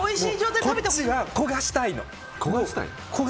もう焦がしたいの。